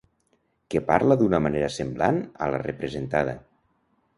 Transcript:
Que parla d'una manera semblant a la representada.